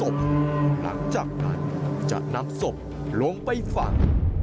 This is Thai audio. เมื่อฝังแล้วเขาก็จะนำไม้กางเขนมาปัก